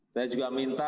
saya juga minta